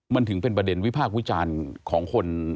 มันถึงเป็นประเด็นวิพากษ์วิจารณ์ของคน